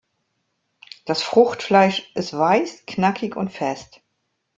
Das Fruchtfleisch ist weiß, knackig und fest.